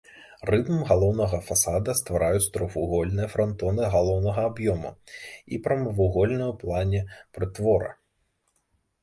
Рытм галоўнага фасада ствараюць трохвугольныя франтоны галоўнага аб'ёму і прамавугольнага ў плане прытвора.